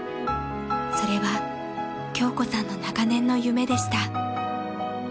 ［それは京子さんの長年の夢でした］